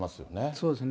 そうですね。